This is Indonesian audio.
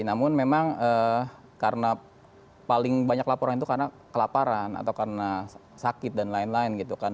namun memang karena paling banyak laporan itu karena kelaparan atau karena sakit dan lain lain gitu kan